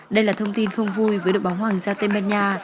đây là thông tin không vui với đội bóng hoàng gia tây ban nha